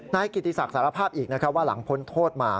นายกิติศักดิ์สารภาพอีกนะครับว่าหลังพ้นโทษมา